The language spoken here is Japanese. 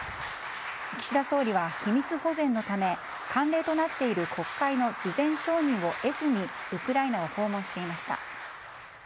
岸田総理は秘密保全のため慣例となっている国会の事前承認を得ずにウクライナを訪問していました。